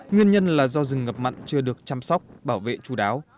nguyên nhân là do rừng ngập mặn chưa được chăm sóc bảo vệ chú đáo